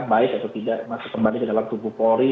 baik atau tidak masuk kembali ke dalam tubuh polri